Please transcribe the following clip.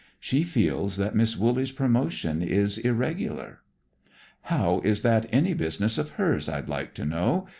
She feels that Miss Wooley's promotion is irregular." "How is that any business of hers, I'd like to know?